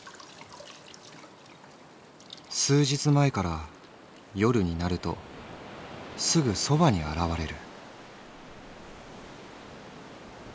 「数日まえから夜になるとすぐ傍に現れる」。